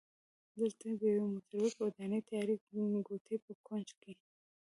دلته د یوې متروکې ودانۍ د تیارې کوټې په کونج کې